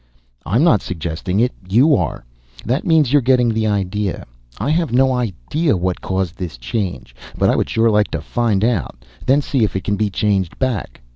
"I'm not suggesting it you are. That means you're getting the idea. I have no idea what caused this change, but I would sure like to find out. Then see if it can be changed back.